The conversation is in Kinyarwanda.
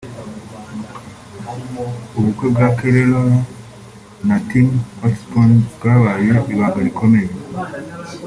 ubukwe bwa Kelly Rowland na Tim Witherspoon bwabaye mu ibanga rikomeye